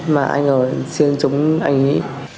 mà anh ấy xuyên trúng anh ấy